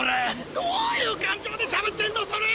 どいう感情でしゃべってんのソレ！？